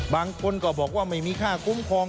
บางคนก็บอกว่าไม่มีค่าคุ้มครอง